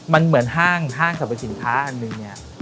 มันเหมือนห้างสรรพสินค้าอันหนึ่งเนี่ย